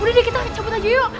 udah deh kita cabut aja yuk